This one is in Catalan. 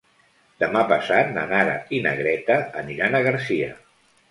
Demà passat na Nara i na Greta aniran a Garcia.